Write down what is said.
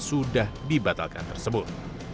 sudah dibatalkan tersebut